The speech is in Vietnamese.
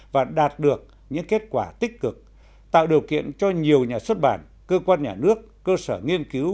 và đạt được những kết quả tích cực tạo điều kiện cho nhiều nhà xuất bản cơ quan nhà nước cơ sở nghiên cứu